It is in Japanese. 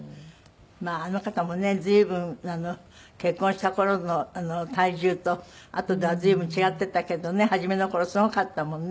まああの方もね随分結婚した頃の体重とあとでは随分違っていたけどね初めの頃すごかったもんね。